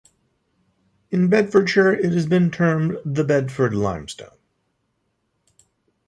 In Bedfordshire it has been termed the Bedford limestone.